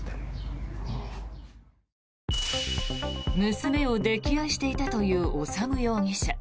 娘を溺愛していたという修容疑者。